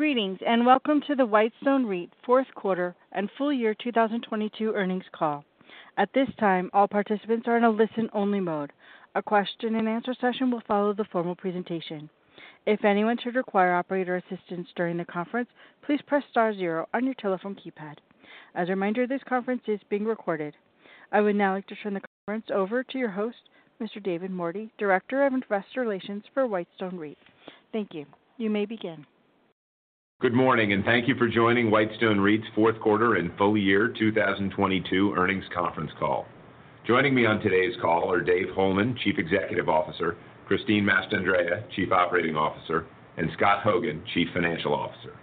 Greetings, and welcome to the Whitestone REIT fourth quarter and full year 2022 earnings call. At this time, all participants are in a listen-only mode. A question-and-answer session will follow the formal presentation. If anyone should require operator assistance during the conference, please press star 0 on your telephone keypad. As a reminder, this conference is being recorded. I would now like to turn the conference over to your host, Mr. David Mordy, Director of Investor Relations for Whitestone REIT. Thank you. You may begin. Good morning, and thank you for joining Whitestone REIT's 4th quarter and full year 2022 earnings conference call. Joining me on today's call are Dave Holeman, Chief Executive Officer, Christine Mastandrea, Chief Operating Officer, and Scott Hogan, Chief Financial Officer.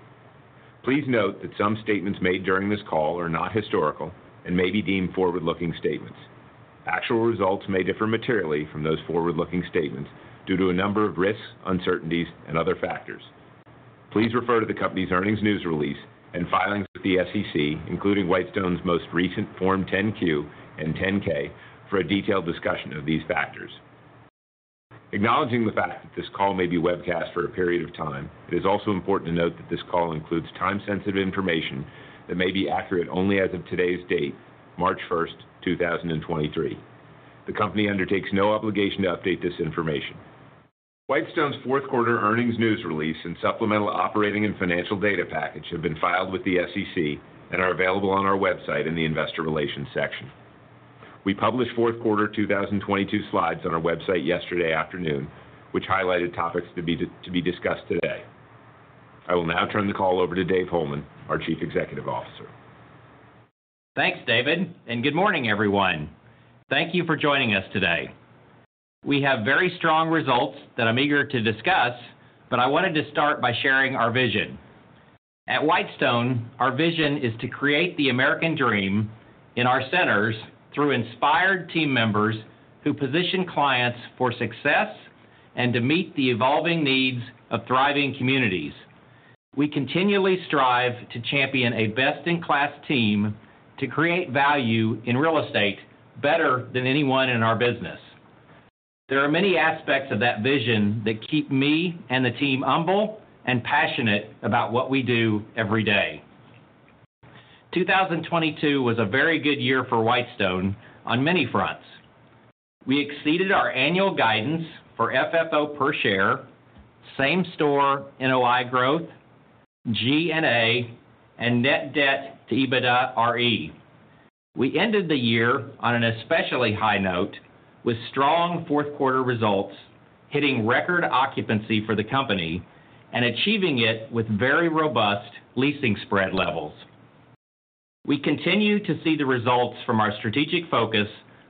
Please note that some statements made during this call are not historical and may be deemed forward-looking statements. Actual results may differ materially from those forward-looking statements due to a number of risks, uncertainties, and other factors. Please refer to the company's earnings news release and filings with the SEC, including Whitestone's most recent Form 10-Q and Form 10-K for a detailed discussion of these factors. Acknowledging the fact that this call may be webcast for a period of time, it is also important to note that this call includes time-sensitive information that may be accurate only as of today's date, March 1st, 2023. The company undertakes no obligation to update this information. Whitestone's fourth quarter earnings news release and supplemental operating and financial data package have been filed with the SEC and are available on our website in the Investor Relations section. We published fourth quarter 2022 slides on our website yesterday afternoon, which highlighted topics to be discussed today. I will now turn the call over to Dave Holeman, our Chief Executive Officer. Thanks, David. Good morning, everyone. Thank you for joining us today. We have very strong results that I'm eager to discuss. I wanted to start by sharing our vision. At Whitestone, our vision is to create the American dream in our centers through inspired team members who position clients for success and to meet the evolving needs of thriving communities. We continually strive to champion a best-in-class team to create value in real estate better than anyone in our business. There are many aspects of that vision that keep me and the team humble and passionate about what we do every day. 2022 was a very good year for Whitestone on many fronts. We exceeded our annual guidance for FFO per share, same-store NOI growth, G&A, and net debt to EBITDAre. We ended the year on an especially high note with strong fourth quarter results, hitting record occupancy for the company and achieving it with very robust leasing spread levels. We continue to see the results from our strategic focus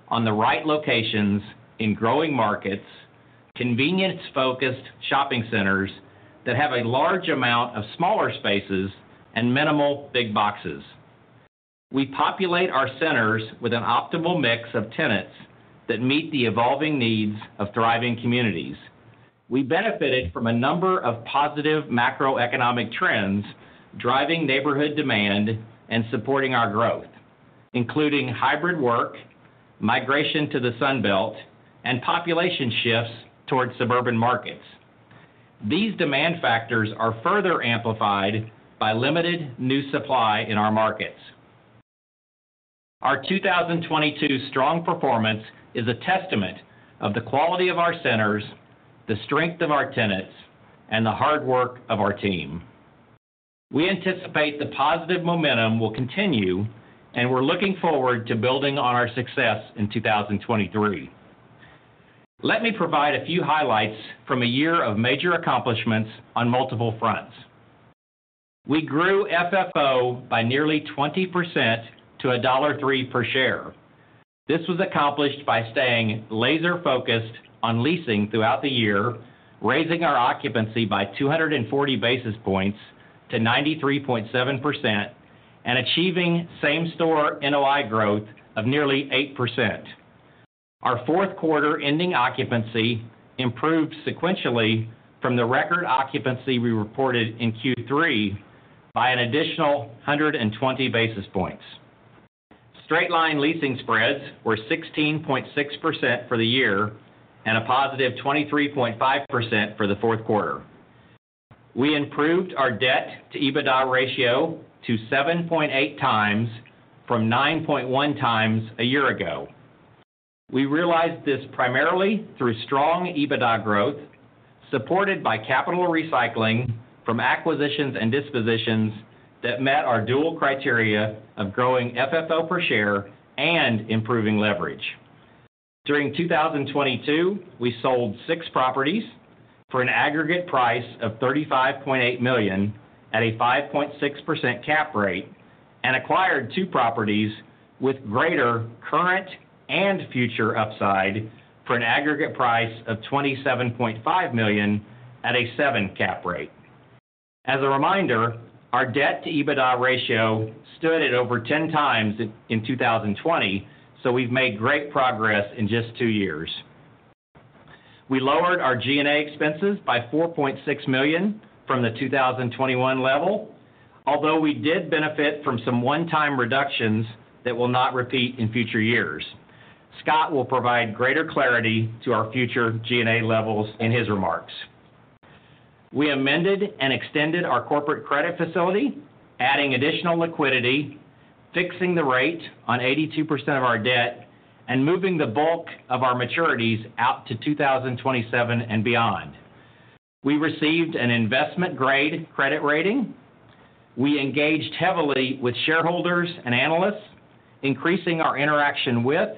on the right locations in growing markets, convenience-focused shopping centers that have a large amount of smaller spaces and minimal big boxes. We populate our centers with an optimal mix of tenants that meet the evolving needs of thriving communities. We benefited from a number of positive macroeconomic trends driving neighborhood demand and supporting our growth, including hybrid work, migration to the Sun Belt, and population shifts towards suburban markets. These demand factors are further amplified by limited new supply in our markets. Our 2022 strong performance is a testament of the quality of our centers, the strength of our tenants, and the hard work of our team. We anticipate the positive momentum will continue, and we're looking forward to building on our success in 2023. Let me provide a few highlights from a year of major accomplishments on multiple fronts. We grew FFO by nearly 20% to $1.03 per share. This was accomplished by staying laser-focused on leasing throughout the year, raising our occupancy by 240 basis points to 93.7% and achieving same-store NOI growth of nearly 8%. Our fourth quarter ending occupancy improved sequentially from the record occupancy we reported in Q3 by an additional 120 basis points. Straight-line leasing spreads were 16.6% for the year and a +23.5% for the fourth quarter. We improved our debt-to-EBITDA ratio to 7.8x from 9.1x a year ago. We realized this primarily through strong EBITDA growth, supported by capital recycling from acquisitions and dispositions that met our dual criteria of growing FFO per share and improving leverage. During 2022, we sold six properties for an aggregate price of $35.8 million at a 5.6% cap rate and acquired two properties with greater current and future upside for an aggregate price of $27.5 million at a seven cap rate. As a reminder, our debt-to-EBITDA ratio stood at over 10x in 2020. We've made great progress in just two years. We lowered our G&A expenses by $4.6 million from the 2021 level, although we did benefit from some 1x reductions that will not repeat in future years. Scott will provide greater clarity to our future G&A levels in his remarks. We amended and extended our corporate credit facility, adding additional liquidity, fixing the rate on 82% of our debt, and moving the bulk of our maturities out to 2027 and beyond. We received an investment-grade credit rating. We engaged heavily with shareholders and analysts, increasing our interaction with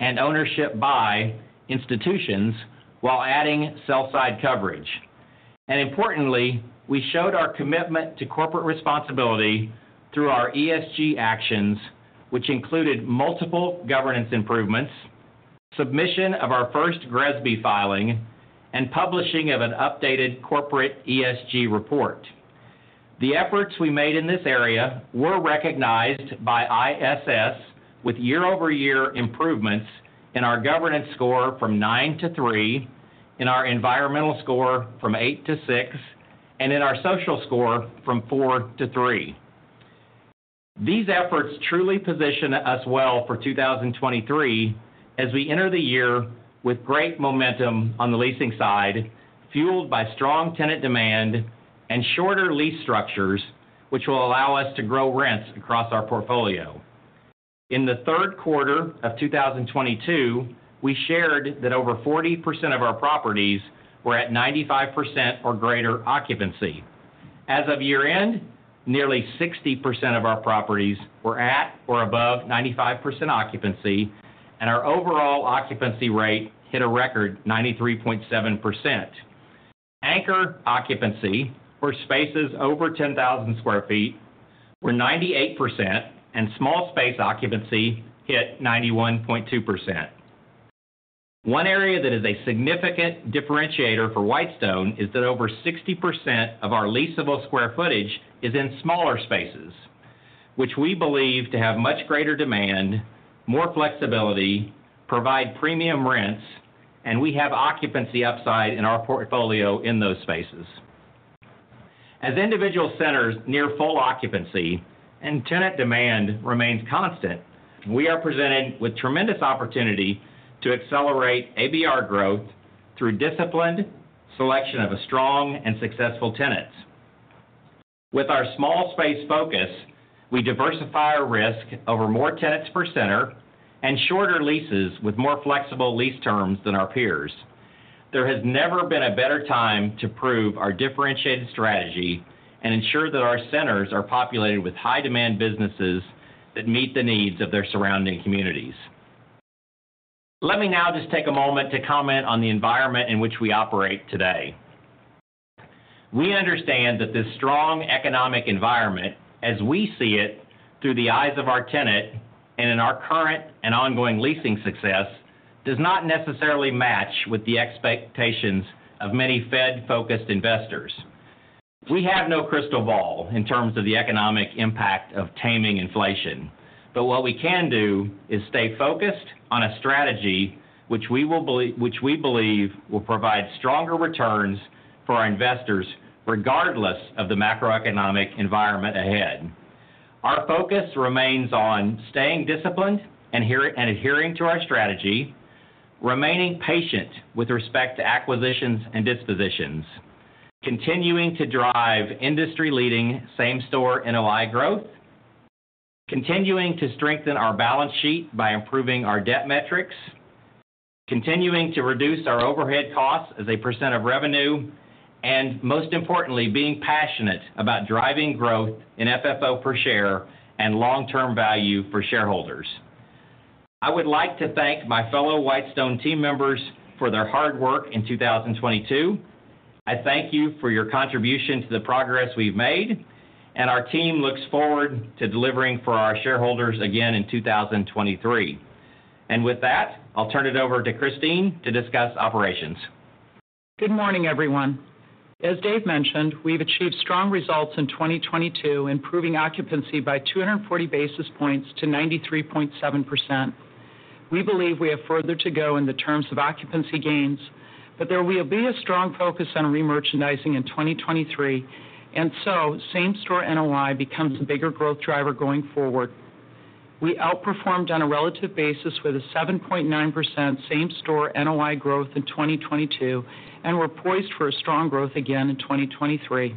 and ownership by institutions while adding sell side coverage. Importantly, we showed our commitment to corporate responsibility through our ESG actions, which included multiple governance improvements, submission of our first GRESB filing, and publishing of an updated corporate ESG report. The efforts we made in this area were recognized by ISS with year-over-year improvements in our governance score from nine to three, in our environmental score from eight to six, and in our social score from four to three. These efforts truly position us well for 2023 as we enter the year with great momentum on the leasing side, fueled by strong tenant demand and shorter lease structures, which will allow us to grow rents across our portfolio. In the third quarter of 2022, we shared that over 40% of our properties were at 95% or greater occupancy. As of year-end, nearly 60% of our properties were at or above 95% occupancy, and our overall occupancy rate hit a record 93.7%. Anchor occupancy for spaces over 10,000 sq ft were 98%, and small space occupancy hit 91.2%. One area that is a significant differentiator for Whitestone is that over 60% of our leasable square footage is in smaller spaces, which we believe to have much greater demand, more flexibility, provide premium rents, and we have occupancy upside in our portfolio in those spaces. As individual centers near full occupancy and tenant demand remains constant, we are presented with tremendous opportunity to accelerate ABR growth through disciplined selection of a strong and successful tenants. With our small space focus, we diversify our risk over more tenants per center and shorter leases with more flexible lease terms than our peers. There has never been a better time to prove our differentiated strategy and ensure that our centers are populated with high demand businesses that meet the needs of their surrounding communities. Let me now just take a moment to comment on the environment in which we operate today. We understand that this strong economic environment, as we see it through the eyes of our tenant and in our current and ongoing leasing success, does not necessarily match with the expectations of many Fed-focused investors. We have no crystal ball in terms of the economic impact of taming inflation. What we can do is stay focused on a strategy which we believe will provide stronger returns for our investors regardless of the macroeconomic environment ahead. Our focus remains on staying disciplined and adhering to our strategy, remaining patient with respect to acquisitions and dispositions, continuing to drive industry-leading same-store NOI growth, continuing to strengthen our balance sheet by improving our debt metrics, continuing to reduce our overhead costs as a percent of revenue, and most importantly, being passionate about driving growth in FFO per share and long-term value for shareholders. I would like to thank my fellow Whitestone team members for their hard work in 2022. I thank you for your contribution to the progress we've made, and our team looks forward to delivering for our shareholders again in 2023. With that, I'll turn it over to Christine to discuss operations. Good morning, everyone. As Dave mentioned, we've achieved strong results in 2022, improving occupancy by 240 basis points to 93.7%. We believe we have further to go in the terms of occupancy gains, but there will be a strong focus on remerchandising in 2023, and so same-store NOI becomes a bigger growth driver going forward. We outperformed on a relative basis with a 7.9% same-store NOI growth in 2022, and we're poised for a strong growth again in 2023.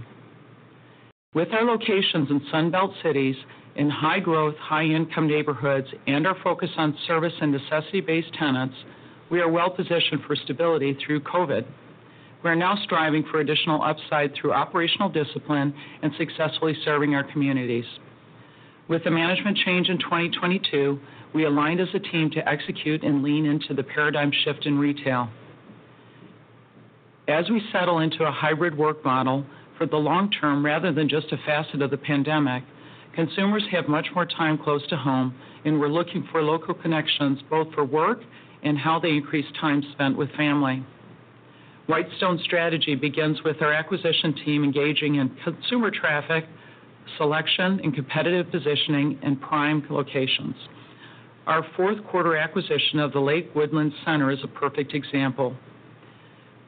With our locations in Sun Belt cities, in high-growth, high-income neighborhoods, and our focus on service and necessity-based tenants, we are well-positioned for stability through COVID. We are now striving for additional upside through operational discipline and successfully serving our communities. With the management change in 2022, we aligned as a team to execute and lean into the paradigm shift in retail. As we settle into a hybrid work model for the long term rather than just a facet of the pandemic, consumers have much more time close to home, and we're looking for local connections both for work and how they increase time spent with family. Whitestone strategy begins with our acquisition team engaging in consumer traffic, selection and competitive positioning in prime locations. Our fourth quarter acquisition of the Lake Woodlands Crossing is a perfect example.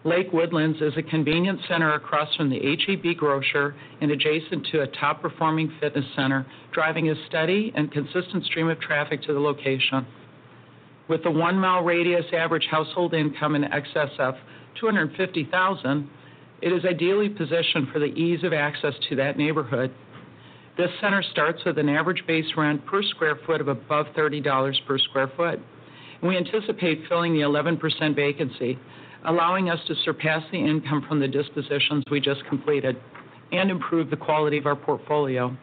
Lake Woodlands is a convenient center across from the H-E-B grocer and adjacent to a top-performing fitness center, driving a steady and consistent stream of traffic to the location. With a one-mile radius average household income in excess of $250,000, it is ideally positioned for the ease of access to that neighborhood. This center starts with an average base rent per sq ft of above $30 per sq ft. We anticipate filling the 11% vacancy, allowing us to surpass the income from the dispositions we just completed and improve the quality of our portfolio.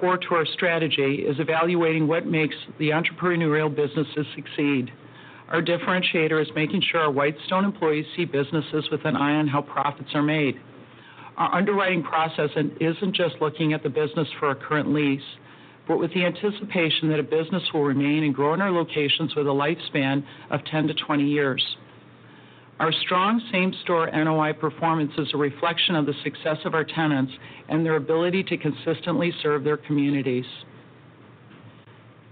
Core to our strategy is evaluating what makes the entrepreneurial businesses succeed. Our differentiator is making sure our Whitestone employees see businesses with an eye on how profits are made. Our underwriting process isn't just looking at the business for our current lease, but with the anticipation that a business will remain and grow in our locations with a lifespan of 10 years-20 years. Our strong same-store NOI performance is a reflection of the success of our tenants and their ability to consistently serve their communities.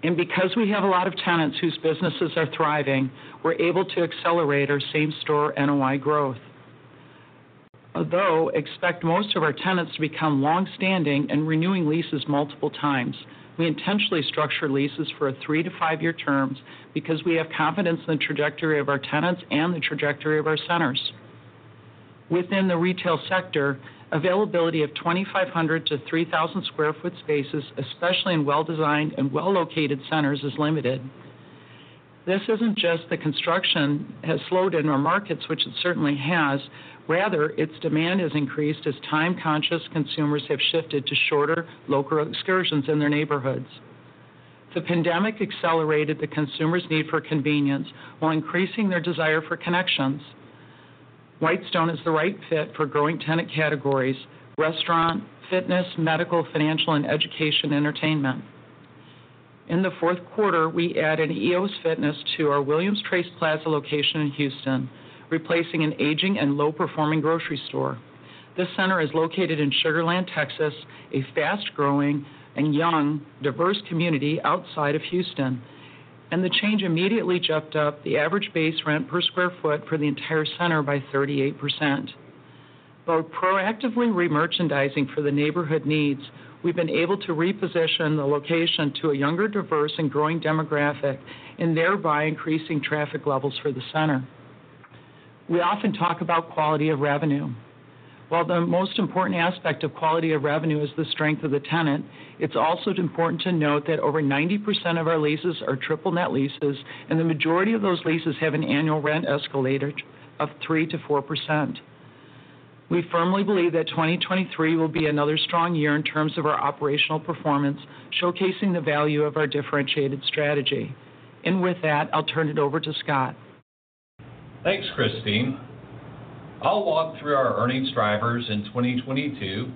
Because we have a lot of tenants whose businesses are thriving, we're able to accelerate our same-store NOI growth. Although expect most of our tenants to become long-standing and renewing leases multiple times, we intentionally structure leases for a three-to-five year terms because we have confidence in the trajectory of our tenants and the trajectory of our centers. Within the retail sector, availability of 2,500 sq ft-3,000 sq ft spaces, especially in well-designed and well-located centers, is limited. This isn't just the construction has slowed in our markets, which it certainly has. Rather, its demand has increased as time-conscious consumers have shifted to shorter local excursions in their neighborhoods. The pandemic accelerated the consumer's need for convenience while increasing their desire for connections. Whitestone is the right fit for growing tenant categories, restaurant, fitness, medical, financial, and education entertainment. In the fourth quarter, we added EōS Fitness to our Williams Trace Plaza location in Houston, replacing an aging and low-performing grocery store. This center is located in Sugar Land, Texas, a fast-growing and young, diverse community outside of Houston. The change immediately jumped up the average base rent per square foot for the entire center by 38%. While proactively remerchandising for the neighborhood needs, we've been able to reposition the location to a younger, diverse, and growing demographic, and thereby increasing traffic levels for the center. We often talk about quality of revenue. While the most important aspect of quality of revenue is the strength of the tenant, it's also important to note that over 90% of our leases are triple net leases, and the majority of those leases have an annual rent escalator of 3%-4%. We firmly believe that 2023 will be another strong year in terms of our operational performance, showcasing the value of our differentiated strategy. With that, I'll turn it over to Scott. Thanks, Christine. I'll walk through our earnings drivers in 2022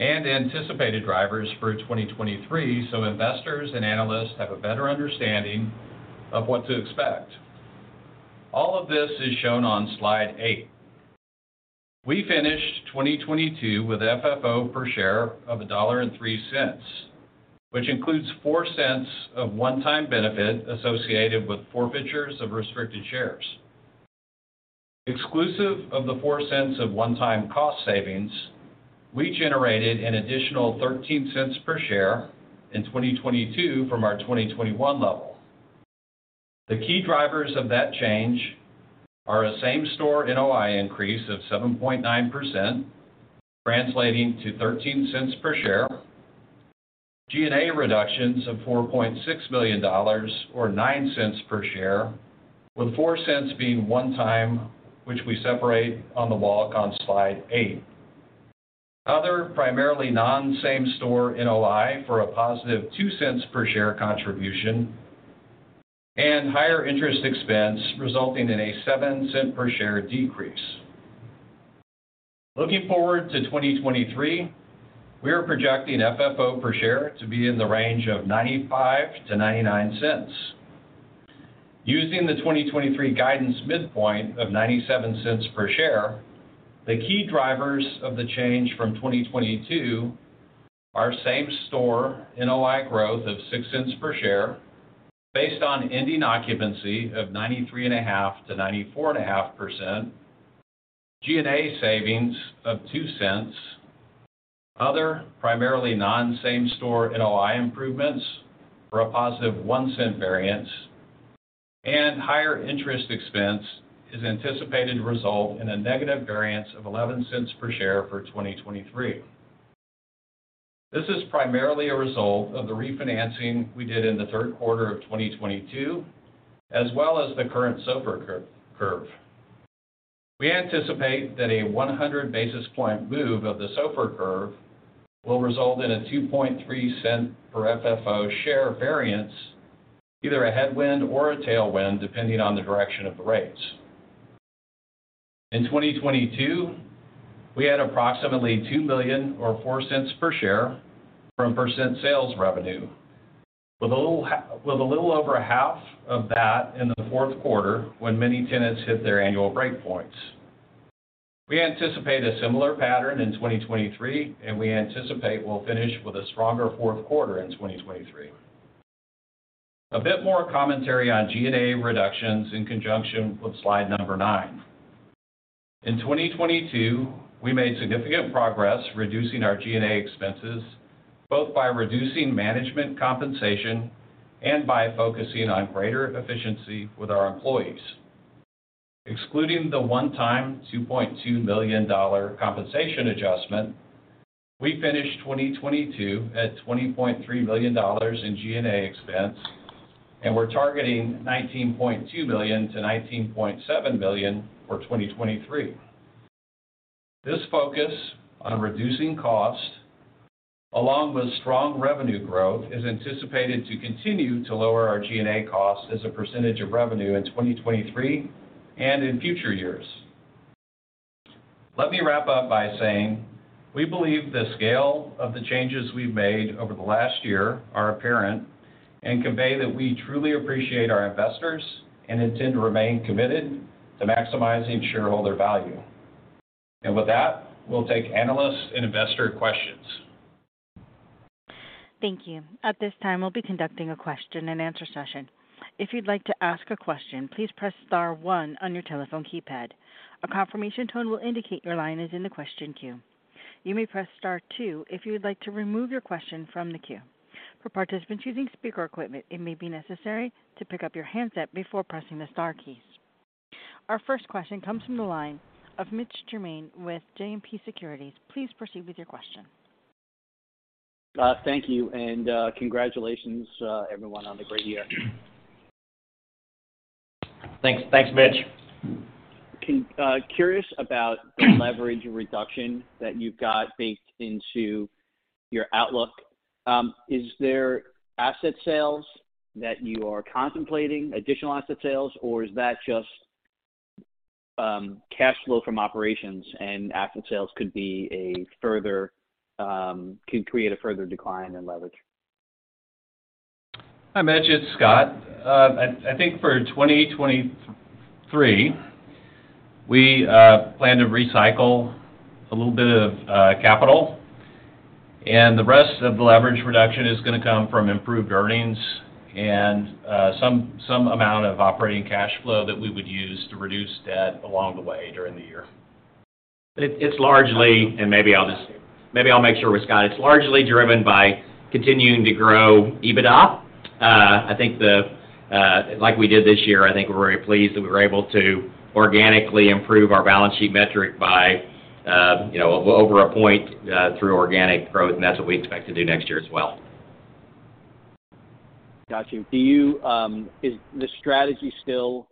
and anticipated drivers for 2023 so investors and analysts have a better understanding of what to expect. All of this is shown on slide eight. We finished 2022 with FFO per share of $1.03, which includes $0.04 of 1x benefit associated with forfeitures of restricted shares. Exclusive of the $0.04 of 1x cost savings, we generated an additional $0.13 per share in 2022 from our 2021 level. The key drivers of that change are a same-store NOI increase of 7.9%, translating to $0.13 per share, G&A reductions of $4.6 million or $0.09 per share, with $0.04 being one time which we separate on the walk on slide eight. Other primarily non-same-store NOI for a +$0.02 per share contribution, and higher interest expense resulting in a $0.07 per share decrease. Looking forward to 2023, we are projecting FFO per share to be in the range of $0.95-$0.99. Using the 2023 guidance midpoint of $0.97 per share, the key drivers of the change from 2022 are same-store NOI growth of $0.06 per share based on ending occupancy of 93.5%-94.5%, G&A savings of $0.02, other primarily non-same-store NOI improvements for a positive $0.01 variance, and higher interest expense is anticipated to result in a negative variance of $0.11 per share for 2023. This is primarily a result of the refinancing we did in the third quarter of 2022, as well as the current SOFR curve. We anticipate that a 100 basis point move of the SOFR curve will result in a $0.023 per FFO share variance, either a headwind or a tailwind, depending on the direction of the rates. In 2022, we had approximately $2 million or $0.04 per share from percent sales revenue, with a little over half of that in the fourth quarter, when many tenants hit their annual break points. We anticipate a similar pattern in 2023, and we anticipate we'll finish with a stronger fourth quarter in 2023. A bit more commentary on G&A reductions in conjunction with slide number nine. In 2022, we made significant progress reducing our G&A expenses, both by reducing management compensation and by focusing on greater efficiency with our employees. Excluding the 1x $2.2 million compensation adjustment, we finished 2022 at $20.3 million in G&A expense, and we're targeting $19.2 million-$19.7 million for 2023. This focus on reducing costs, along with strong revenue growth, is anticipated to continue to lower our G&A costs as a percent of revenue in 2023 and in future years. Let me wrap up by saying, we believe the scale of the changes we've made over the last year are apparent and convey that we truly appreciate our investors and intend to remain committed to maximizing shareholder value. With that, we'll take analyst and investor questions. Thank you. At this time, we'll be conducting a question and answer session. If you'd like to ask a question, please press star one on your telephone keypad. A confirmation tone will indicate your line is in the question queue. You may press star two if you would like to remove your question from the queue. For participants using speaker equipment, it may be necessary to pick up your handset before pressing the star keys. Our first question comes from the line of Mitch Germain with JMP Securities. Please proceed with your question. Thank you, and, congratulations, everyone, on the great year. Thanks. Thanks, Mitch. Curious about the leverage reduction that you've got baked into your outlook, is there asset sales that you are contemplating, additional asset sales, or is that just, cash flow from operations and asset sales could be a further, could create a further decline in leverage? Hi, Mitch, it's Scott. I think for 2023, we plan to recycle a little bit of capital. The rest of the leverage reduction is gonna come from improved earnings and some amount of operating cash flow that we would use to reduce debt along the way during the year. It's largely, and maybe I'll make sure with Scott, it's largely driven by continuing to grow EBITDA. I think the, like we did this year, I think we're very pleased that we were able to organically improve our balance sheet metric by, you know, over 1 point through organic growth, and that's what we expect to do next year as well. Got you. Do you, is the strategy still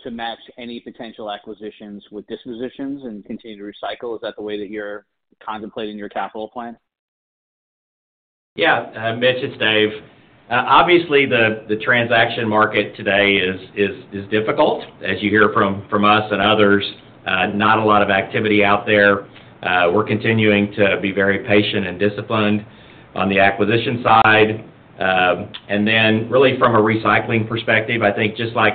to match any potential acquisitions with dispositions and continue to recycle? Is that the way that you're contemplating your capital plan? Yeah. Mitch, it's Dave. Obviously the transaction market today is, is difficult. As you hear from us and others, not a lot of activity out there. We're continuing to be very patient and disciplined on the acquisition side. And then really from a recycling perspective, I think just like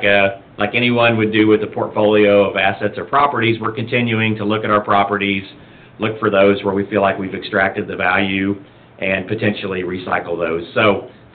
anyone would do with a portfolio of assets or properties, we're continuing to look at our properties, look for those where we feel like we've extracted the value and potentially recycle those.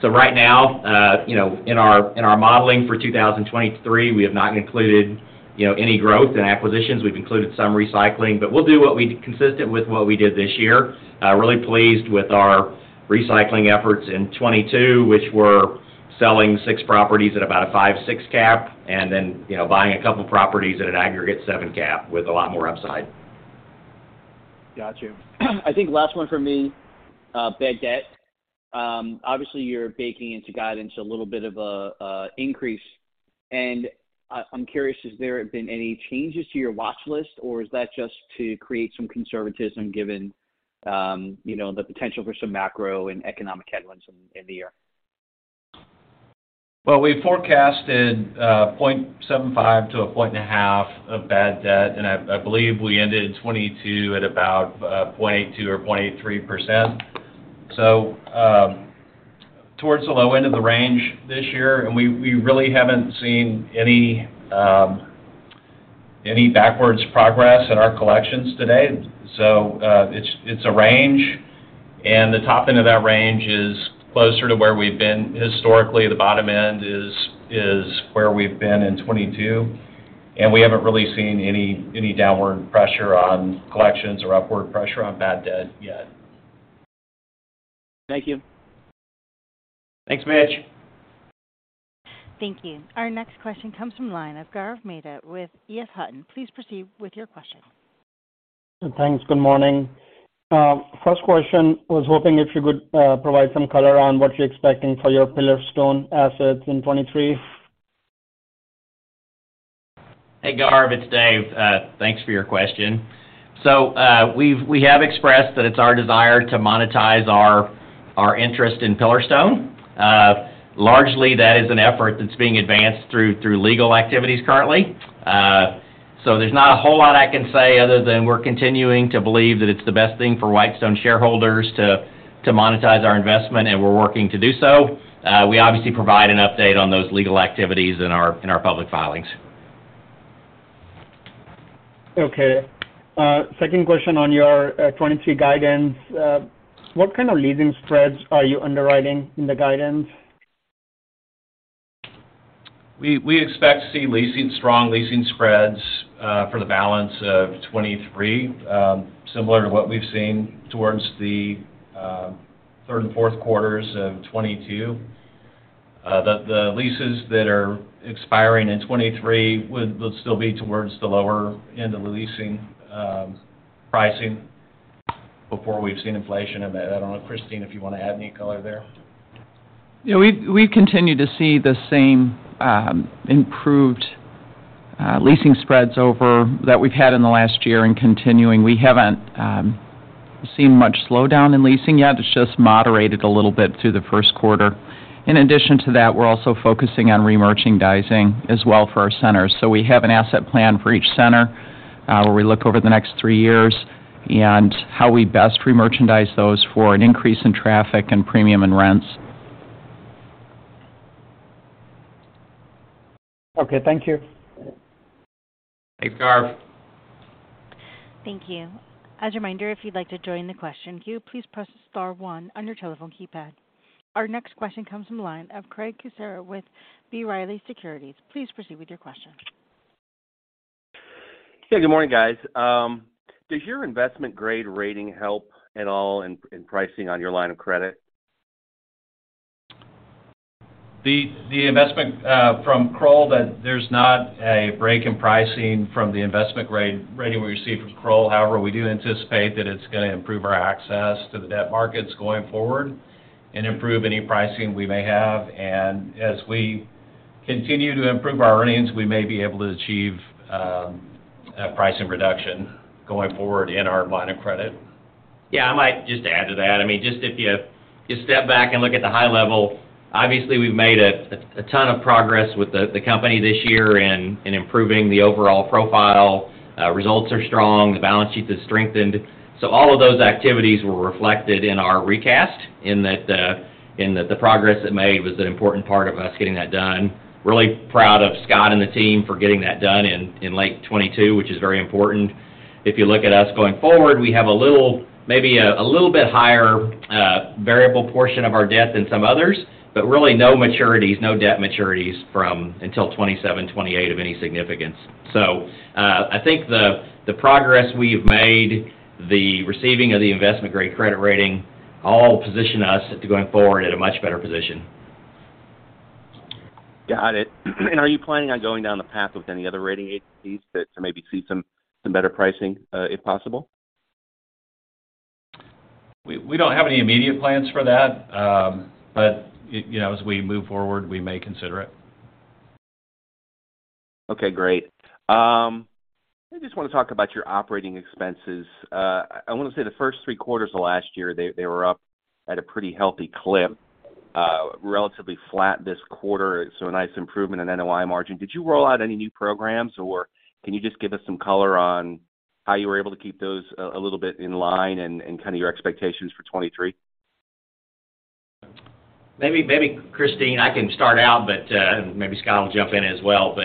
Right now, you know, in our, in our modeling for 2023, we have not included, you know, any growth in acquisitions. We've included some recycling, but we'll do what we, consistent with what we did this year. Really pleased with our recycling efforts in 2022, which were selling six properties at about a five to six cap and then, you know, buying two properties at an aggregate seven cap with a lot more upside. Got you. I think last one for me, bad debt. Obviously you're baking into guidance a little bit of a increase. I'm curious, has there been any changes to your watch list, or is that just to create some conservatism given, you know, the potential for some macro and economic headwinds in the year? We forecasted 0.75%-1.5% of bad debt, and I believe we ended in 2022 at about 0.82% or 0.83%. Towards the low end of the range this year, and we really haven't seen any backwards progress in our collections today. It's a range, and the top end of that range is closer to where we've been historically. The bottom end is where we've been in 2022, and we haven't really seen any downward pressure on collections or upward pressure on bad debt yet. Thank you. Thanks, Mitch. Thank you. Our next question comes from line of Gaurav Mehta with EF Hutton. Please proceed with your question. Thanks. Good morning. first question, was hoping if you could, provide some color on what you're expecting for your Pillarstone assets in 2023. Hey, Gaurav, it's Dave. Thanks for your question. We have expressed that it's our desire to monetize our interest in Pillarstone. Largely, that is an effort that's being advanced through legal activities currently. There's not a whole lot I can say other than we're continuing to believe that it's the best thing for Whitestone shareholders to monetize our investment, and we're working to do so. We obviously provide an update on those legal activities in our public filings. Okay. Second question on your 2023 guidance. What kind of leasing spreads are you underwriting in the guidance? We expect to see leasing, strong leasing spreads for the balance of 2023, similar to what we've seen towards the third and fourth quarters of 2022. The leases that are expiring in 2023 would still be towards the lower end of the leasing pricing before we've seen inflation event. I don't know, Christine, if you wanna add any color there? We've continued to see the same, improved, leasing spreads over that we've had in the last year and continuing. We haven't seen much slowdown in leasing yet. It's just moderated a little bit through the first quarter. In addition to that, we're also focusing on remerchandising as well for our centers. We have an asset plan for each center, where we look over the next three years and how we best remerchandise those for an increase in traffic and premium and rents. Okay, thank you. Thanks, Gaurav. Thank you. As a reminder, if you'd like to join the question queue, please press star one on your telephone keypad. Our next question comes from the line of Craig Kucera with B. Riley Securities. Please proceed with your question. Yeah. Good morning, guys. Does your investment grade rating help at all in pricing on your line of credit? The investment from Kroll that there's not a break in pricing from the investment grade rating we received from Kroll. We do anticipate that it's gonna improve our access to the debt markets going forward and improve any pricing we may have. As we continue to improve our earnings, we may be able to achieve a pricing reduction going forward in our line of credit. I might just add to that. I mean, just if you just step back and look at the high level, obviously, we've made a ton of progress with the company this year in improving the overall profile. Results are strong. The balance sheet has strengthened. All of those activities were reflected in our recast in that the progress it made was an important part of us getting that done. Really proud of Scott and the team for getting that done in late 2022, which is very important. If you look at us going forward, we have a little bit higher variable portion of our debt than some others, but really no debt maturities from until 2027, 2028 of any significance. I think the progress we have made, the receiving of the investment-grade credit rating all position us to going forward at a much better position. Got it. Are you planning on going down the path with any other rating agencies to maybe see some better pricing if possible? We don't have any immediate plans for that. You know, as we move forward, we may consider it. Okay, great. I just wanna talk about your operating expenses. I wanna say the first three quarters of last year, they were up at a pretty healthy clip, relatively flat this quarter, so a nice improvement in NOI margin. Did you roll out any new programs, or can you just give us some color on how you were able to keep those a little bit in line and kind of your expectations for 2023? Maybe Christine, I can start out, but maybe Scott will jump in as well.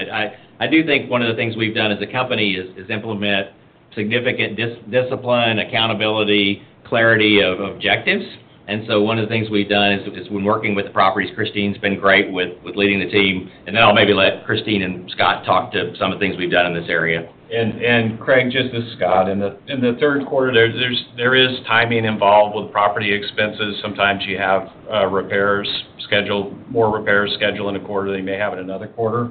I do think one of the things we've done as a company is implement significant discipline, accountability, clarity of objectives. One of the things we've done is when working with the properties, Christine's been great with leading the team, and then I'll maybe let Christine and Scott talk to some of the things we've done in this area. Craig, just as Scott, in the third quarter, there is timing involved with property expenses. Sometimes you have repairs scheduled, more repairs scheduled in a quarter than you may have in another quarter.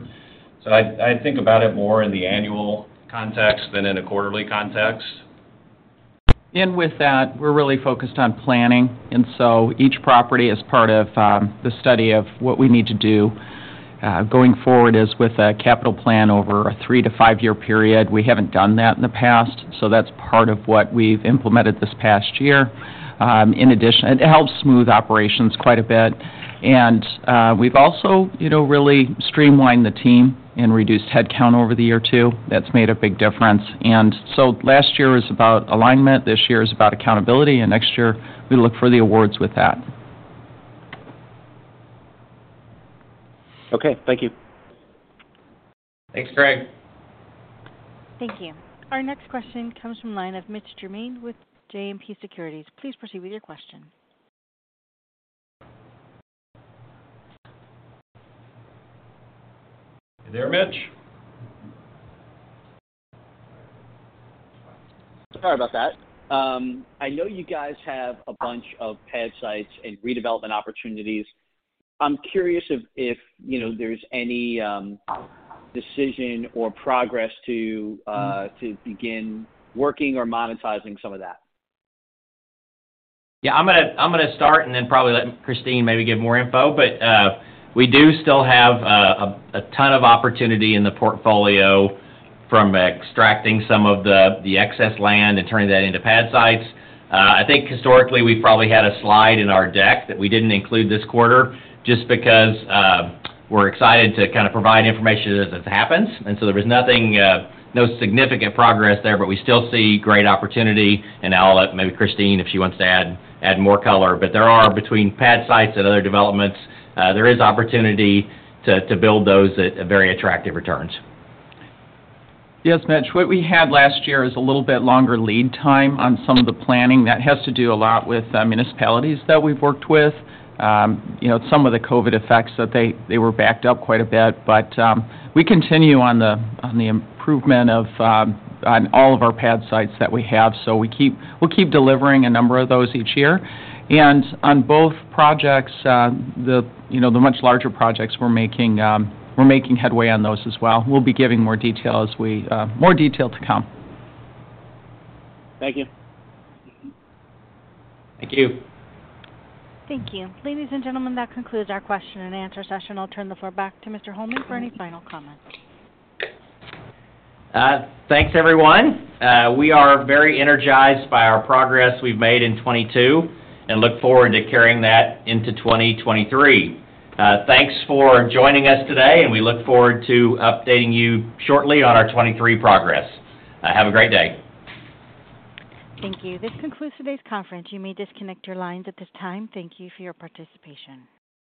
I'd think about it more in the annual context than in a quarterly context. With that, we're really focused on planning, and so each property is part of the study of what we need to do, going forward is with a capital plan over a three to five-year period. We haven't done that in the past. That's part of what we've implemented this past year. In addition, it helps smooth operations quite a bit. We've also, you know, really streamlined the team and reduced headcount over the year two. That's made a big difference. Last year was about alignment, this year is about accountability, and next year, we look for the awards with that. Okay. Thank you. Thanks, Craig. Thank you. Our next question comes from line of Mitch Germain with JMP Securities. Please proceed with your question. Hey there, Mitch. Sorry about that. I know you guys have a bunch of pad sites and redevelopment opportunities. I'm curious if, you know, there's any decision or progress to begin working or monetizing some of that. Yeah. I'm gonna start. Probably let Christine maybe give more info. We do still have a ton of opportunity in the portfolio from extracting some of the excess land and turning that into pad sites. I think historically, we've probably had a slide in our deck that we didn't include this quarter just because we're excited to kind of provide information as it happens. There was nothing, no significant progress there. We still see great opportunity. Now I'll let maybe Christine, if she wants to add more color. There are between pad sites and other developments, there is opportunity to build those at very attractive returns. Yes, Mitch. What we had last year is a little bit longer lead time on some of the planning. That has to do a lot with, municipalities that we've worked with. You know, some of the COVID effects that they were backed up quite a bit. We continue on the, on the improvement of, on all of our pad sites that we have. We keep, we'll keep delivering a number of those each year. On both projects, the, you know, the much larger projects we're making, we're making headway on those as well. We'll be giving more detail as we. more detail to come. Thank you. Thank you. Thank you. Ladies and gentlemen, that concludes our question and answer session. I'll turn the floor back to Mr. Holeman for any final comments. Thanks, everyone. We are very energized by our progress we've made in 2022 and look forward to carrying that into 2023. Thanks for joining us today, and we look forward to updating you shortly on our 2023 progress. Have a great day. Thank you. This concludes today's conference. You may disconnect your lines at this time. Thank you for your participation.